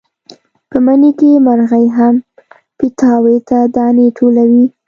په مني کې مرغۍ هم پیتاوي ته دانې ټولوي.